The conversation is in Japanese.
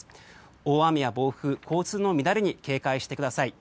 大雨や暴風、交通の乱れに警戒してください。